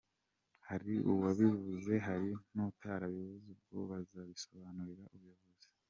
Hari uwabivuze hari n’utarabivuze, ubwo bazabisobanurira ubuyobozi.